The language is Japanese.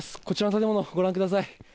こちらの建物をご覧ください。